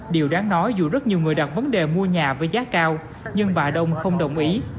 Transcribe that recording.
điều đáng nói dù rất nhiều người đặt vấn đề mua nhà với giá cao nhưng bà đông không đồng ý